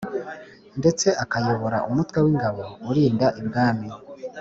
ndetse akayobora umutwe wingabo urinda ibwami